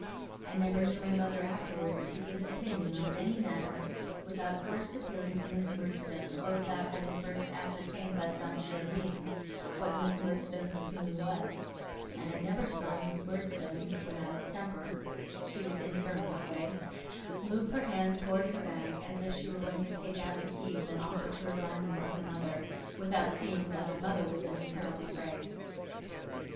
I never knew my mother afterwards to give an opinion on any matter, without first appealing to Miss Murdstone, or without having first ascertained by some sure means, what Miss Murdstone's opinion was; and I never saw Miss Murdstone, when out of temper (she was infirm that way), move her hand towards her bag as if she were going to take out the keys and offer to resign them to my mother, without seeing that my mother was in a terrible fright.